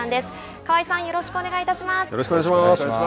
河合さんよろしくお願いします。